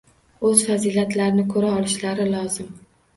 O’z fazilatlarini ko’ra olishlari lozim.